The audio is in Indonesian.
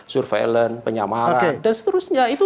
surveillance penyamaran dan seterusnya